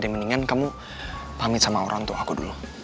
demendingan kamu pamit sama orang tuh aku dulu